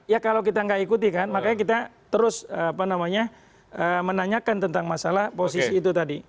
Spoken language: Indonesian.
ya kalau kita nggak ikuti kan makanya kita terus menanyakan tentang masalah posisi itu tadi